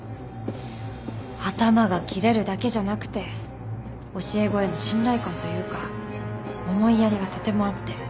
頭がキレるだけじゃなくて教え子への信頼感というか思いやりがとてもあって。